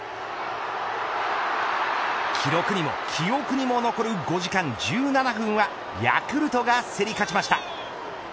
記録にも記憶にも残る５時間１７分はヤクルトが競り勝ちました。